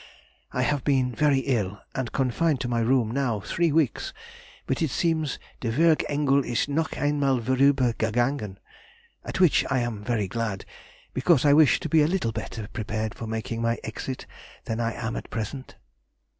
I have been very ill and confined to my room now three weeks, but it seems der Würg Engel ist noch einmal vorüber gegangen, at which I am very glad, because I wish to be a little better prepared for making my exit than I am at present.